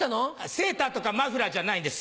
セーターとかマフラーじゃないんです。